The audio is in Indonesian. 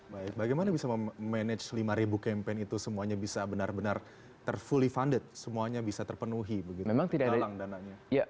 baik bagaimana bisa memanage lima campaign itu semuanya bisa benar benar ter fully funded semuanya bisa terpenuhi begitu